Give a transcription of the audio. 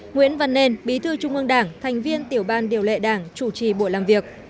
nguyễn văn nên bí thư trung ương đảng thành viên tiểu ban điều lệ đảng chủ trì buổi làm việc